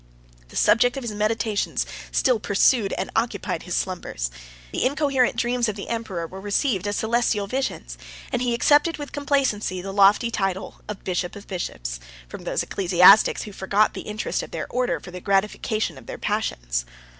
The subject of his meditations still pursued and occupied his slumbers: the incoherent dreams of the emperor were received as celestial visions, and he accepted with complacency the lofty title of bishop of bishops, from those ecclesiastics who forgot the interest of their order for the gratification of their passions.